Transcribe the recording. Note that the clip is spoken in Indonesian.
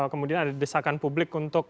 kemudian ada desakan publik untuk